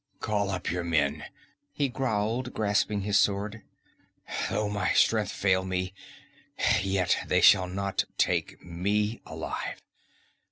"Call up your men," he growled, grasping his sword. "Though my strength fail me, yet they shall not take me alive.